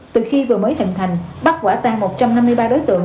từ khi vừa mới hình thành bắt quả tan một trăm năm mươi ba đối tượng